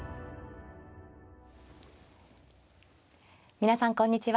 皆さんこんにちは。